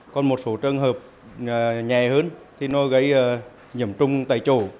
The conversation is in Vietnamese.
còn một số trường hợp nhẹ hơn thì nó gây nhiễm trung tại chỗ